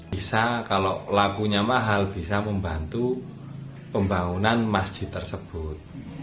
bisa kalau lakunya mahal bisa membantu pembangunan masjid tersebut